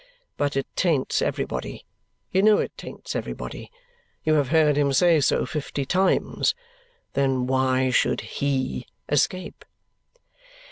But it taints everybody. You know it taints everybody. You have heard him say so fifty times. Then why should HE escape?"